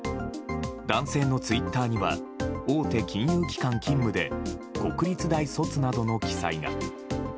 男性のツイッターには大手金融機関勤務で国立大卒などの記載が。